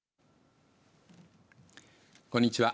こんにちは。